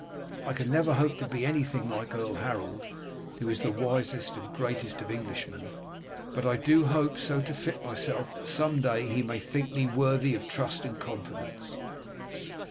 I can never hope to be anything like Earl Harold, who is the wisest and greatest of Englishmen, but I do hope so to fit myself that some day he may think me worthy of trust and confidence."